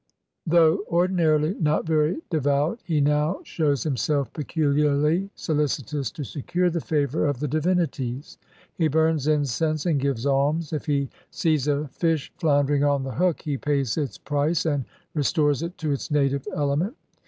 i.: Though ordinarily not very devout, he now shows himself peculiarly solicitous to secure the favor of the divinities. He burns incense and gives alms. If he sees a fish floundering on the hook, he pays its price and restores it to its native element.